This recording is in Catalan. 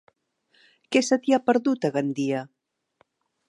Què se t'hi ha perdut, a Gandia?